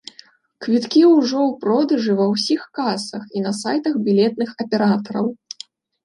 Квіткі ўжо ў продажы ва ўсіх касах і на сайтах білетных аператараў.